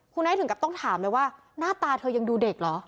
คุณไอ้ถึงกับต้องถามเลยว่าหน้าตาเธอยังดูเด็กเหรอ